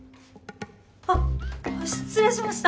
あっ失礼しました。